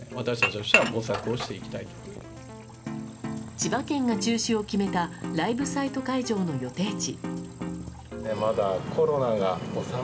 千葉県が中止を決めたライブサイト会場の予定地。